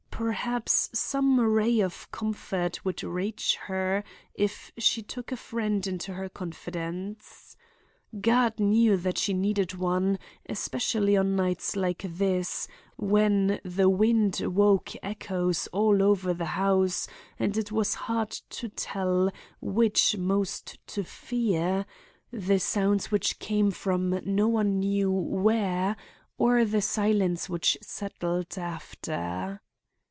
Perhaps some ray of comfort would reach her if she took a friend into her confidence. God knew that she needed one, especially on nights like this, when the wind woke echoes all over the house and it was hard to tell which most to fear, the sounds which came from no one knew where, or the silence which settled after.